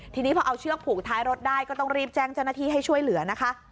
ทีนี้พอเอาเชือกผูกท้ายรถได้ก็ต้องรีบแจ้งเจ้าหน้าที่ให้ช่วยเหลือนะคะ